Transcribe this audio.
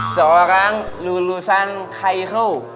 seorang lulusan khairul